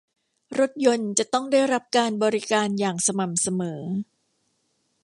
รถยนต์จะต้องได้รับการบริการอย่างสม่ำเสมอ